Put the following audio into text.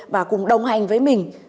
và cùng đồng hành với mình